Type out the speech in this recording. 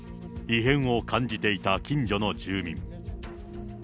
異変を感じていた近所の住民。